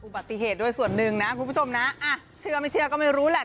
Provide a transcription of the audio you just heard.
อุบัติเหตุด้วยส่วนหนึ่งนะคุณผู้ชมนะอ่ะเชื่อไม่เชื่อก็ไม่รู้แหละ